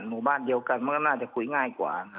หมู่บ้านเดียวกันมันก็น่าจะคุยง่ายกว่า